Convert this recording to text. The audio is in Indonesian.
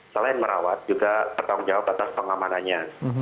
selain merawat juga bertanggung jawab atas pengamanannya